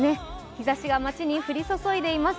日ざしが街に降り注いでいます。